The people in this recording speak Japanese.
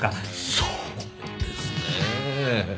そうですね。